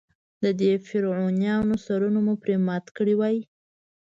د دې فرعونانو سرونه مو پرې مات کړي وای.